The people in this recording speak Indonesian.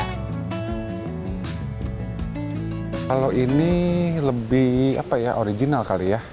kalau ini lebih original kali ya